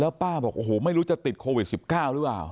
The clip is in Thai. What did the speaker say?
ป้าบอกโอ้โหไม่รู้จะติดโควิด๑๙หรือเปล่า